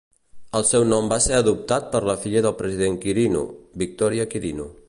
El seu nom va ser adoptat per la filla del president Quirino, Victoria Quirino.